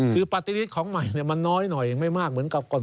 คือปฏิลิตของใหม่มันน้อยหน่อยไม่มากเหมือนกับก่อน